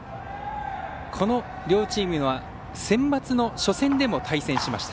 この両チームはセンバツの初戦でも対戦しました。